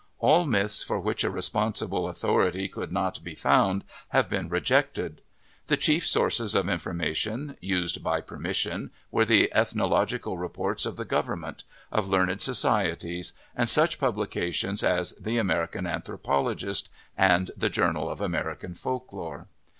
All myths for which a responsible authority could not be found have been rejected. The chief sources of information used, by permission, were the ethnological reports of the Government, of learned societies, and such publications as " The American Anthro pologist " and "The Journal of American Folklore."